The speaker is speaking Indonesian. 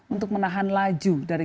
untuk menahan laju dari